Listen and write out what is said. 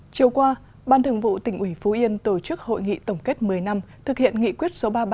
chiều qua ban thường vụ tỉnh ủy phú yên tổ chức hội nghị tổng kết một mươi năm thực hiện nghị quyết số ba mươi ba